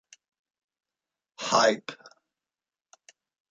Hype!